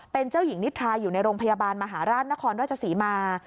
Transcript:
เป็นเจ้าหญิงนิทราอยู่ในโรงพยาบาลมหาราชนครราชศรีมา